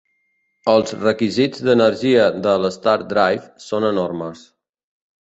Els requisits d'energia de l'"stardrive" són enormes.